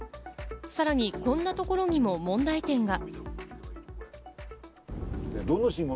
さらに、こんなところにも問題点が。